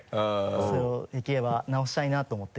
それをできれば直したいなと思って。